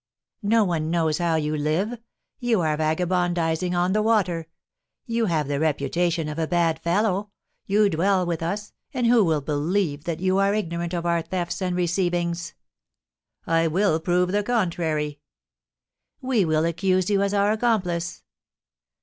"No one knows how you live. You are vagabondising on the water; you have the reputation of a bad fellow; you dwell with us, and who will believe that you are ignorant of our thefts and receivings?" "I will prove the contrary." "We will accuse you as our accomplice."